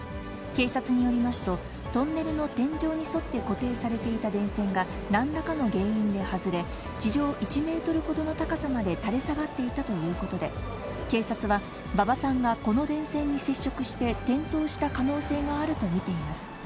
警察によりますと、トンネルの天井に沿って固定されていた電線がなんらかの原因で外れ、地上１メートルほどの高さまで垂れ下がっていたということで、警察は、馬場さんがこの電線に接触して転倒した可能性があると見ています。